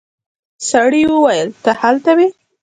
سړي وويل ته هلته وې.